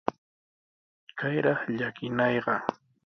¡Kayraq llakinayqa!